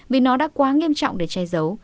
vì nó đã quá nghiêm trọng để che giấu